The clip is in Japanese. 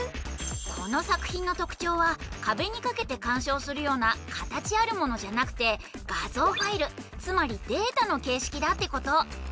この作品のとくちょうはかべにかけてかんしょうするようなかたちあるものじゃなくて画像ファイルつまりデータの形式だってこと。